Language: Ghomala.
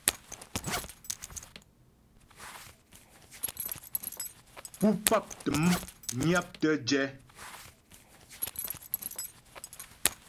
Pú pap təm nyaptə jɛ.